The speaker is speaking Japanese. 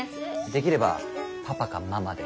できれば「パパ」か「ママ」で。